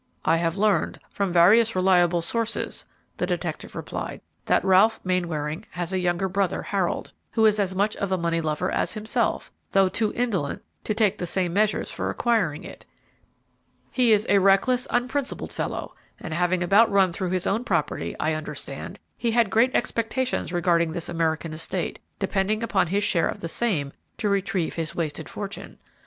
"I have learned from various reliable sources," the detective replied, "that Ralph Mainwaring has a younger brother, Harold, who is as much of a money lover as himself, though too indolent to take the same measures for acquiring it. He is a reckless, unprincipled fellow, and having about run through his own property, I understand, he has had great expectations regarding this American estate, depending upon his share of the same to retrieve his wasted fortune.